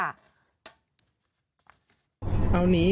อ้าวหนี